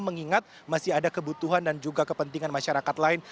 mengingat masih ada kebutuhan dan juga kepentingan masyarakat lain